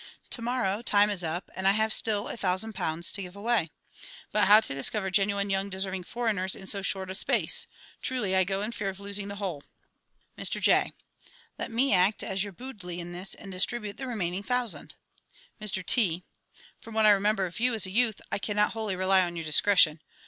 To morrow time is up, and I have still a thousand pounds to give away! But how to discover genuine young deserving foreigners in so short a space? Truly, I go in fear of losing the whole! Mr J. Let me act as your budli in this and distribute the remaining thousand. Mr T. From what I remember of you as a youth, I cannot wholly rely on your discretion.